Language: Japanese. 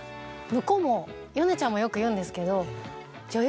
向こうも米ちゃんもよく言うんですけど。